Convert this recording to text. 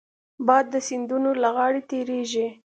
باد د سیندونو له غاړې تېرېږي